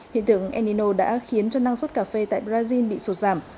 hiện tượng enino đã khiến cho năng suất cà phê tại brazil bị sụt giảm